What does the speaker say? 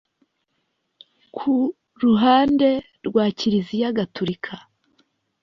Ku ruhande rwa Kiliziya Gaturika